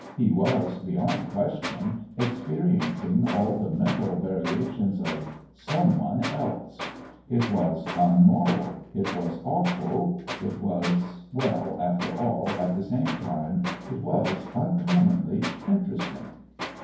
He was, beyond question, experiencing all the mental variations of some one else! It was un moral. It was awful. It was well, after all, at the same time, it was uncommonly interesting.